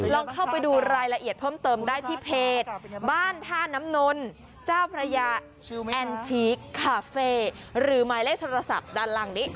ลองเข้าไปดูรายละเอียดเพิ่มเติมได้ที่เพจบ้านท่าน้ำนนเจ้าพระยาแอนชีคคาเฟ่หรือหมายเลขโทรศัพท์ด้านล่างนี้